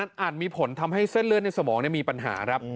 อาจมีผลทำให้เส้นเลือดในสมองมีปัญหาครับ